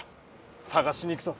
さがしに行くぞ！